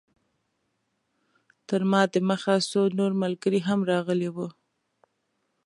تر ما د مخه څو نور ملګري هم راغلي وو.